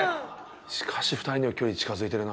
しかし２人の距離近付いてるな。